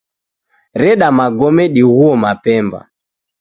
Reda magome dighou mapemba.